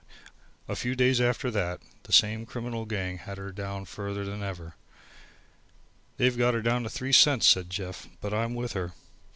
A few days after that, the same criminal gang had her down further than ever. "They've got her down to three cents," said Jeff, "but I'm with her.